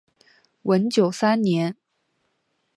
文久三年。